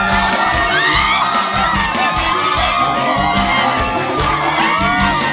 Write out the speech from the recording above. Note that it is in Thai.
ร้องได้ให้ร้าน